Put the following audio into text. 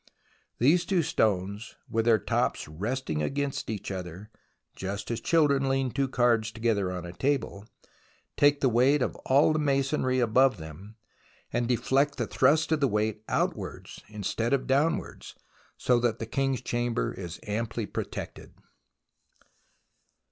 These two stones, with their tops resting against each other, just as children lean two cards together on a table, take the weight of all the masonry above them, and deflect the thrust of the weight outwards instead of downwards, so that the King's Chamber is amply protected.